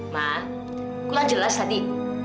ma kurang jelas tadi